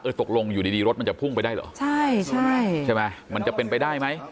ตกลงอยู่ดีรถมันจะพุ่งไปได้เหรอใช่ใช่ใช่ไหมมันจะเป็นไปได้ไหม